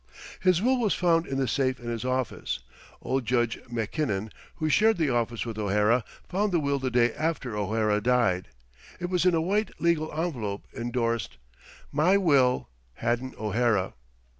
His will was found in the safe in his office. Old Judge Mackinnon, who shared the office with O'Hara, found the will the day after O'Hara died. It was in a white legal envelope endorsed, "My Will, Haddon O'Hara."